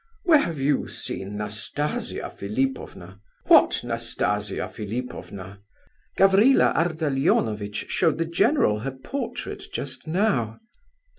_ Where have you seen Nastasia Philipovna? What Nastasia Philipovna?" "Gavrila Ardalionovitch showed the general her portrait just now."